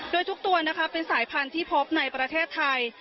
โดยทุกตัวนะคะเป็นสายพันธุ์ที่พบในประเทศไทย